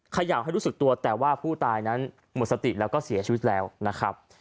เขย่าให้รู้สึกตัวแต่ว่าผู้ตายนั้นหมดสติแล้วก็เสียชีวิตแล้วนะครับ